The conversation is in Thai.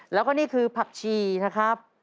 แล้วก็นี่คือผักชีนะครับ